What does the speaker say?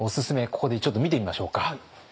ここでちょっと見てみましょうか。